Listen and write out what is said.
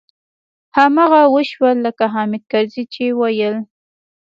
هماغه و شول لکه حامد کرزي چې ويل.